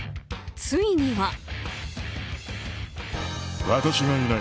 ついには。